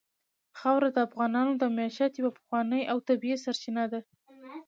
خاوره د افغانانو د معیشت یوه پخوانۍ او طبیعي سرچینه ده.